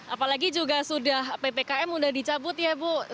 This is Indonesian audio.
apalagi juga sudah ppkm sudah dicabut ya bu